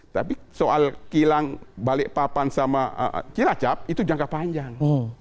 tapi soal kilang balikpapan sama cilacap itu jangka panjang